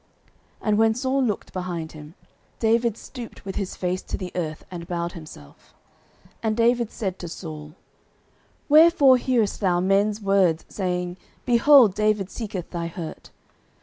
And when Saul looked behind him, David stooped with his face to the earth, and bowed himself. 09:024:009 And David said to Saul, Wherefore hearest thou men's words, saying, Behold, David seeketh thy hurt?